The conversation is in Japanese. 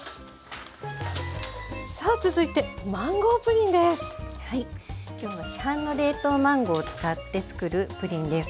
さあ続いて今日は市販の冷凍マンゴーを使ってつくるプリンです。